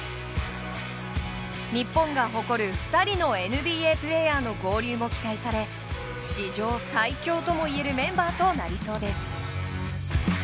日本が誇る２人のＮＢＡプレーヤーの合流も期待され史上最強ともいえるメンバーとなりそうです。